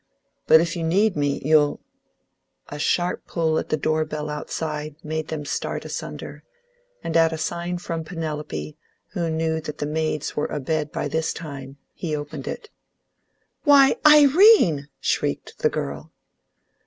But if you need me, you'll " A sharp pull at the door bell outside made them start asunder, and at a sign from Penelope, who knew that the maids were abed by this time, he opened it. "Why, Irene!" shrieked the girl.